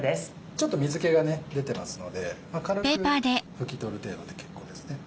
ちょっと水気が出てますので軽く拭き取る程度で結構ですね。